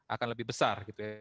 akan lebih besar gitu ya